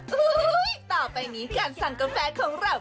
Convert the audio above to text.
ต่อไปนี้การสั่งกาแฟของเรา